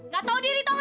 gak tau diri tau gak lo